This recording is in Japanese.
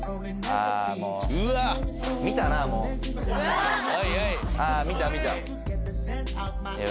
ああ見た見た。